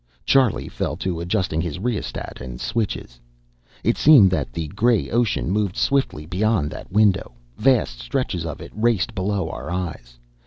Charlie fell to adjusting his rheostat and switches. It seemed that the gray ocean moved swiftly beyond the window. Vast stretches of it raced below our eyes.